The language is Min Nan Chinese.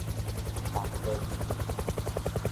含鞭